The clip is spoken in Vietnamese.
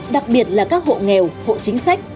đặc biệt là các hộ nghèo hộ chính sách